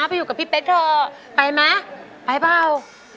ไปอยู่กับพี่เป๊กเถอะไปไหมไปเปล่า